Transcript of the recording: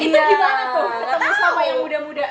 iya ketemu selama yang muda muda